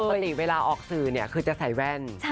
ปกติเวลาออกสื่อเนี่ยคือจะใส่แว่น